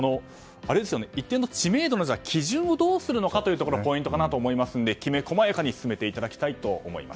一定の知名度の基準をどうするのかがポイントかなと思いますのできめ細やかに進めていただきたいと思います。